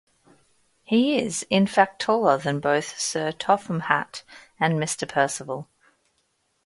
He is in-fact taller than both Sir Topham Hatt and Mr Percival.